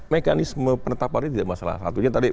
mekanisme penetapan ini tidak masalah satunya tadi